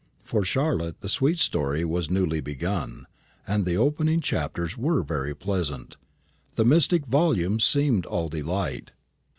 For Charlotte the sweet story was newly begun, and the opening chapters were very pleasant the mystic volume seemed all delight.